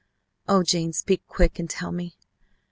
Oh, Jane, speak quick, and tell me!